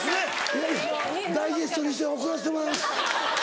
いやいやダイジェストにして送らせてもらいます。